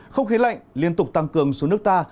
không khí lạnh liên tục tăng cường xuống nước ta